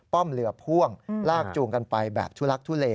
ป้อมเรือพ่วงลากจูงกันไปแบบทู้ลักษณ์ทู้เล